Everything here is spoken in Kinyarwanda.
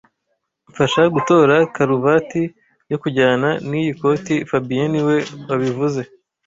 Mfasha gutora karuvati yo kujyana niyi koti fabien niwe wabivuze